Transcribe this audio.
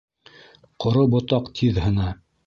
Ҡоро ботаҡ тиҙ һына.